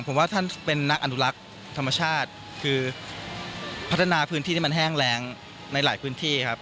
ผมว่าท่านเป็นนักอนุรักษ์ธรรมชาติคือพัฒนาพื้นที่ที่มันแห้งแรงในหลายพื้นที่ครับ